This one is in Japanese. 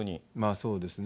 そうですね。